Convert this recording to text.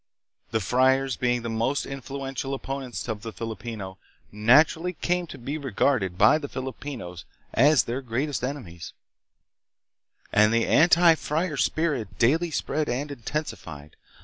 The friars, being the most influential opponents of the Filipino, naturally came to be regarded by the Filipinos as their greatest enemies, and the anti friar spirit daily spread and intensified.